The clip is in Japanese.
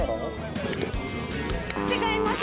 違います